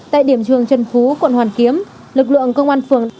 tại điểm trường trần phú quận hoàn kiếm lực lượng công an phường